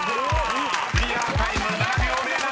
［クリアタイム７秒０７］